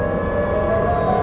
aku akan menang